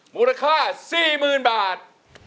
มูลค่า๔๐๐๐บาท